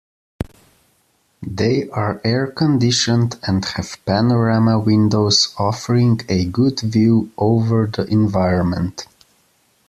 They are air-conditioned and have panorama windows offering a good view over the environment.